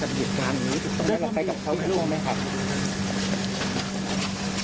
น้องได้ร่วมรู้มั้ยพี่แจงน้องได้ร่วมรู้มั้ยตอนนี้ก็ไม่ได้ร่วมรู้ว่ามีเหตุสถิตย์การนี้ตอนนี้ก็ไม่ได้ร่วมรู้มั้ยครับ